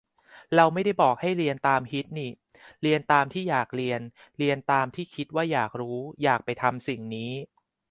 เราไม่ได้บอกให้เรียนตามฮิตนิ เรียนตามที่อยากเรียน เรียนตามที่คิดว่าอยากรู้ อยากไปทำสิ่งนี้